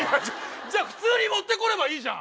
じゃあ普通に持ってくればいいじゃん。